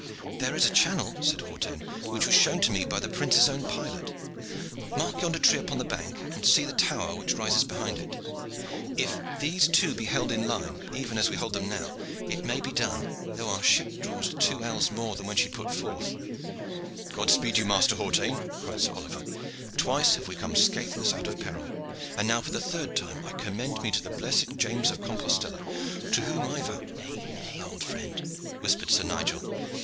"There is a channel," said Hawtayne, "which was shown to me by the Prince's own pilot. Mark yonder tree upon the bank, and see the tower which rises behind it. If these two be held in a line, even as we hold them now, it may be done, though our ship draws two good ells more than when she put forth." "God speed you, Master Hawtayne!" cried Sir Oliver. "Twice have we come scathless out of peril, and now for the third time I commend me to the blessed James of Compostella, to whom I vow " "Nay, nay, old friend," whispered Sir Nigel.